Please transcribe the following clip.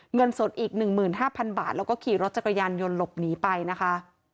เงินสดอีก๑๕๐๐๐บาทแล้วก็ขี่รถจักรยานยนต์หลบหนีไปนะคะ